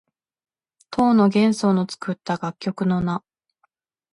唐の玄宗の作った楽曲の名。